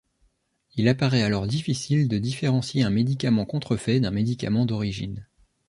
Il apparaît alors difficile de différencier un médicament contrefait d’un médicament d’origine.